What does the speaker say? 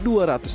tetap di atas